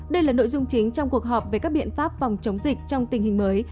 đây là nội dung chính trong cuộc họp về các biện pháp phòng chống dịch trong tình hình mới